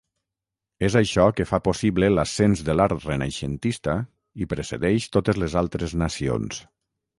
És això que fa possible l'ascens de l'art renaixentista i precedeix totes les altres nacions.